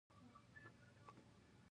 راځئ چې يو بل ته لاس ورکړو